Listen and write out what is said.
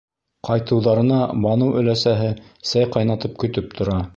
Ҡайтыуҙарына Баныу өләсәһе сәй ҡайнатып көтөп тора.